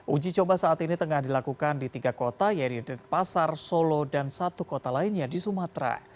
uji coba saat ini tengah dilakukan di tiga kota yaitu pasar solo dan satu kota lainnya di sumatera